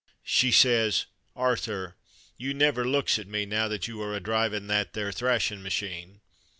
She says, ''Arthur, you never looks at me now that you are a drivin' that there thrashin' machine."